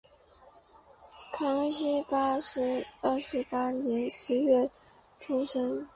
康熙二十八年十一月出生。